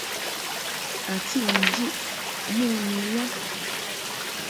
A tiʼ njuʼ mon i lɛ.